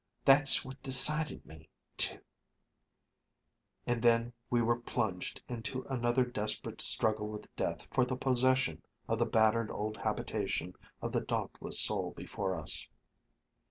That's what decided me to " And then we were plunged into another desperate struggle with Death for the possession of the battered old habitation of the dauntless soul before us.